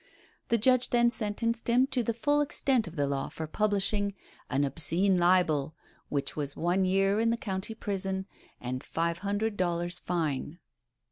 The judge then sentenced him to the full extent of the law for publishing an " obscene libel," which was one year in the County Prison and five hundred dollars fine.